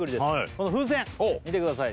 この風船見てください